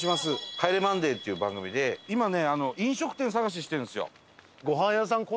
『帰れマンデー』という番組で今ね飲食店探ししてるんですよ。